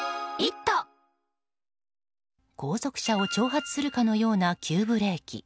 後続車を挑発するかのような急ブレーキ。